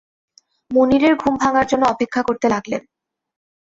মুনিরের ঘুম ভাঙার জন্যে অপেক্ষা করতে লাগলেন।